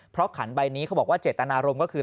เพราะขันใบนี้เขาบอกว่าเจตนารมณ์ก็คือ